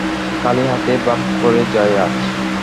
খালি হাতেই ভাব করে যাই আজ।